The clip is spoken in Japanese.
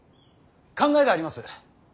考えがあります。